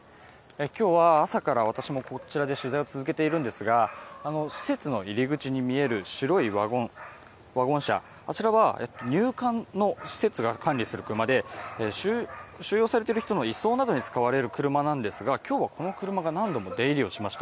今日は朝から私もこちらで取材を続けているんですが施設の入り口に見える白いワゴン車、あちらは入管の施設が管理する車で収容されている人の移送などに使われる車なんですが今日はこの車が何度も出入りしました。